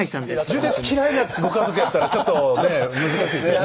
純烈嫌いなご家族やったらちょっとねえ難しいですよね。